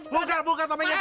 buka buka topengnya